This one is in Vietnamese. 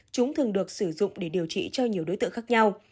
chúng thường được sử dụng để điều trị cho nhiều đối tượng khác nhau